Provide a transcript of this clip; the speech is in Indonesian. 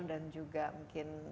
dan juga mungkin